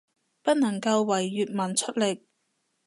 不能夠為粵文出力